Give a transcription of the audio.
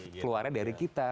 yang negatif keluarnya dari kita